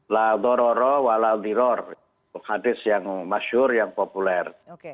la dororo wa la diror hadis yang masyur yang populer